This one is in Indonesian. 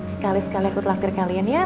sekali sekali aku telah kirim kalian ya